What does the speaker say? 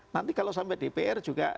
nanti kalau sampai dpr juga